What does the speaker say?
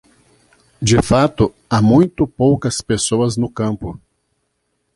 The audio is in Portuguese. De fato, há muito poucas pessoas no campo.